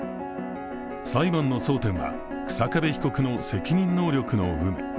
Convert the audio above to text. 裁判の争点は日下部被告の責任能力の有無。